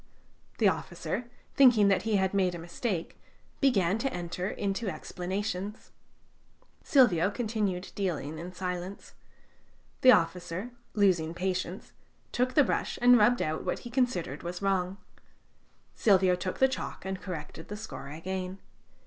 The officer, thinking that he had made a mistake, began to enter into explanations. Silvio continued dealing in silence. The officer, losing patience, took the brush and rubbed out what he considered was wrong. Silvio took the chalk and corrected the score again.